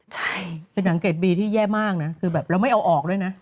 ใช่เป็นหนังเกดบีที่แย่มากนะคือแบบเราไม่เอาออกด้วยนะ